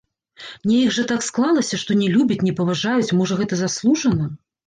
Неяк жа так склалася, што не любяць, не паважаюць, можа гэта заслужана?